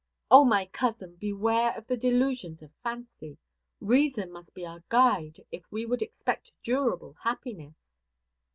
"O my cousin, beware of the delusions of fancy! Reason must be our guide if we would expect durable happiness."